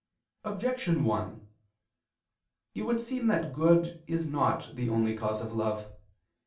Objection 1: It would seem that good is not the only cause of love.